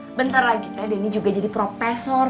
sebentar lagi teh denny juga jadi profesor